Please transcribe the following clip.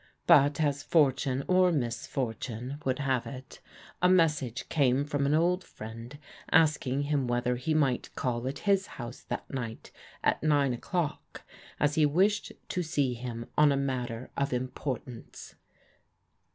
But as fortune, misforttme, would have it, a message came from an friend asking him whether he might call at his hoi that night at nine o'clock, as he wished to see him oi matter of importance.